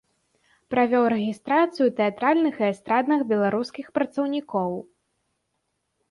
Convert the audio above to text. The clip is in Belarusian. Правёў рэгістрацыю тэатральных і эстрадных беларускіх працаўнікоў.